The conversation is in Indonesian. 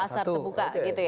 pasar terbuka gitu ya